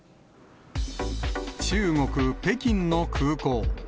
中国・北京の空港。